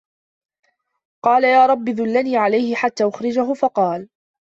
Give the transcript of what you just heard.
قَالَ يَا رَبِّ دُلَّنِي عَلَيْهِ حَتَّى أُخْرِجَهُ فَقَالَ